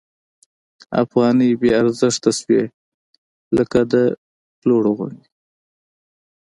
افغانۍ بې ارزښته شوې لکه د پړو غوندې.